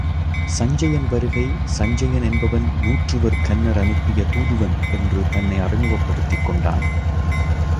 சஞ்சயன் வருகை சஞ்சயன் என்பவன் நூற்றுவர் கன்னர் அனுப்பிய தூதுவன் என்று தன்னை அறிமுகப்படுத்திக் கொண்டான்.